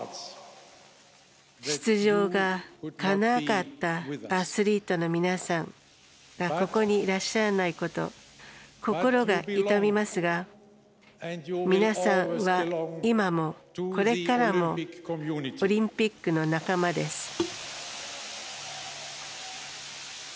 出場がかなわなかったアスリートの皆さんがここにいらっしゃらないことに心が痛みますが皆さんは今もこれからもオリンピックの仲間です。